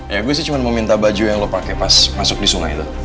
ya gua sih cuma mau minta baju yang lo pake pas masuk di sungai itu